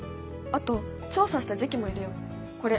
あと調査した時期も入れよう。